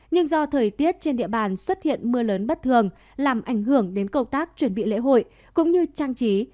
nhưng do thời tiết trên địa bàn xuất hiện mưa lớn bất thường làm ảnh hưởng đến công tác chuẩn bị lễ hội cũng như trang trí